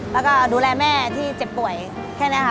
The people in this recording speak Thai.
แล้วก็ดูแลแม่ที่เจ็บป่วยแค่นี้ค่ะ